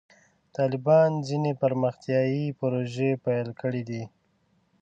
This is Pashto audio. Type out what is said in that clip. طالبانو ځینې پرمختیایي پروژې پیل کړې دي.